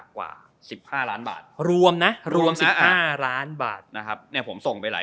ใครจะได้แชมป์โลก